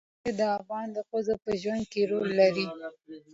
پامیر د افغان ښځو په ژوند کې رول لري.